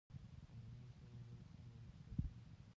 بهرنیو چارو وزارت څنګه اړیکې ساتي؟